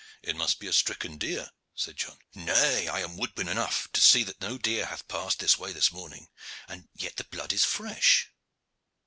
"It must be a stricken deer," said John. "Nay, I am woodman enough to see that no deer hath passed this way this morning; and yet the blood is fresh.